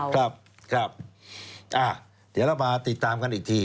ครับครับเดี๋ยวเรามาติดตามกันอีกที